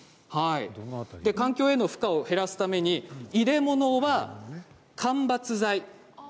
環境への負荷を減らすために入れ物は間伐材。